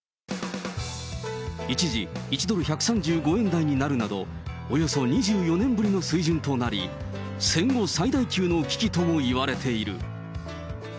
一時、１ドル１３５円台になるなど、およそ２４年ぶりの水準となり、戦後最大級の危機ともいわれている。